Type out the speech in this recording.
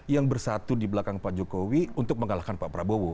yang bersatu di belakang pak jokowi untuk mengalahkan pak prabowo